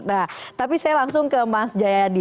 nah tapi saya langsung ke mas jayadi